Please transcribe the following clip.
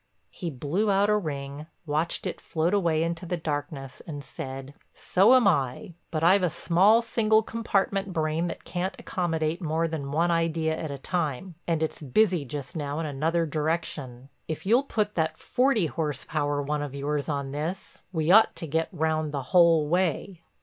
He blew out a ring, watched it float away into the darkness and said: "So am I. But I've a small, single compartment brain that can't accommodate more than one idea at a time. And it's busy just now in another direction. If you'll put that forty horse power one of yours on this we ought to get round the whole way."